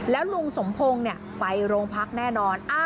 แล้วลุงสมพงศ์ไปโรงพักแน่นอน